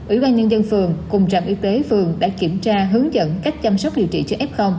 ủy ban nhân dân phường cùng trạm y tế phường đã kiểm tra hướng dẫn cách chăm sóc điều trị cho f